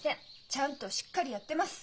ちゃんとしっかりやってます！